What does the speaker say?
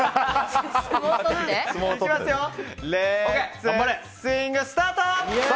レッツ・スイング、スタート！